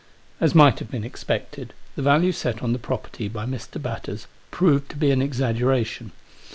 As might have been expected, the value set on the property by Mr. Batters proved to be an exaggeration.